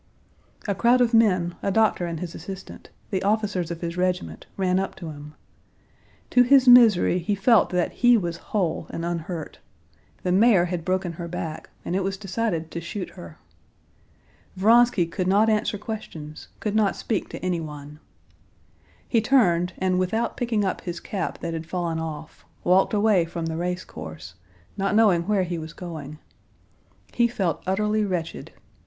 A crowd of men, a doctor and his assistant, the officers of his regiment, ran up to him. To his misery he felt that he was whole and unhurt. The mare had broken her back, and it was decided to shoot her. Vronsky could not answer questions, could not speak to anyone. He turned, and without picking up his cap that had fallen off, walked away from the race course, not knowing where he was going. He felt utterly wretched.